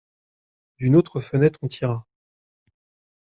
D'une autre fenêtre, on tira.